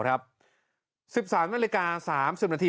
๑๓นาฬิกา๓๐นาที